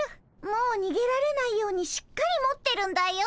もうにげられないようにしっかり持ってるんだよ。